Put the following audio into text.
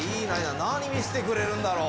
何見せてくれるんだろう。